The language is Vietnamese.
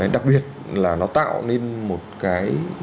đặc biệt là nó tạo nên một cái